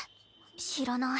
知らない。